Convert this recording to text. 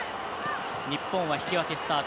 日本は引き分けスタート。